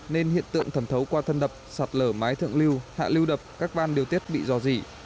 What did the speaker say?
nên hiện tượng thẩm thấu qua thân đập sạt lở mái thượng lưu hạ lưu đập các ban điều tiết bị dò dỉ